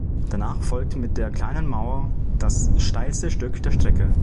Danach folgt mit der "kleinen Mauer" das steilste Stück der Strecke.